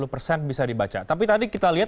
lima puluh persen bisa dibaca tapi tadi kita lihat